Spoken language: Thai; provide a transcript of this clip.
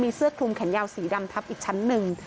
เสื้อคลุมแขนยาวสีดำทับอีกชั้นหนึ่ง